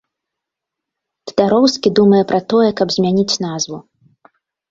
Тадароўскі думае пра тое, каб змяніць назву.